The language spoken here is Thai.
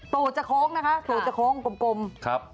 ตัวจะโค้งนะคะตัวจะโค้งกลม